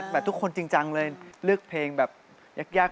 ทุกคนจริงจังเลยเลือกเพลงแบบยาก